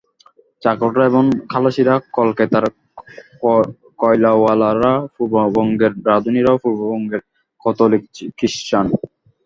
চাকররা এবং খালাসীরা কলকেতার, কয়লাওয়ালারা পূর্ববঙ্গের, রাঁধুনীরাও পূর্ববঙ্গের ক্যাথলিক ক্রিশ্চান।